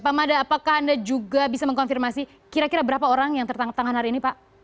pak mada apakah anda juga bisa mengonfirmasi kira kira berapa orang yang tertangkap tangan